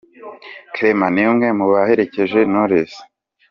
Clement ni umwe mu baherekeje Knowless.